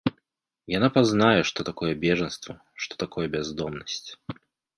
Яна пазнае, што такое бежанства, што такое бяздомнасць.